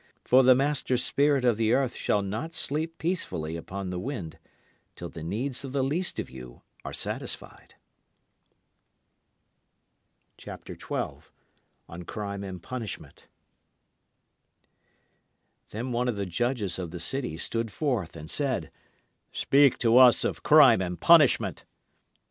For the master spirit of the earth shall not sleep peacefully upon the wind till the needs of the least of you are satisfied. Then one of the judges of the city stood forth and said, Speak to us of Crime and Punishment.